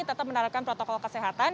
tetap menaruhkan protokol kesehatan